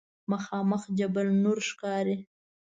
مخامخ جبل نور ښکاري.